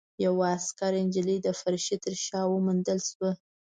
يوه عسکره نجلۍ د پرښې تر شا وموندل شوه.